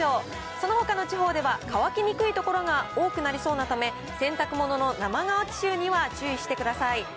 そのほかの地域でも乾きにくい所が多くなりそうなため、洗濯物の生乾き臭には注意してください。